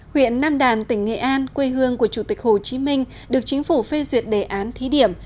huyện nam đàn tỉnh nghệ an quê hương của chủ tịch hồ chí minh được chính phủ phê duyệt đề án thí điểm